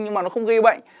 nhưng mà nó không gây bệnh